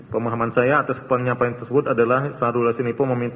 pemahaman saya atas penyampaian tersebut adalah sahrul yasin limpo meminta s satu